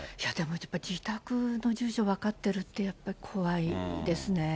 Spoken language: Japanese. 自宅の住所分かってるって、やっぱり怖いですね。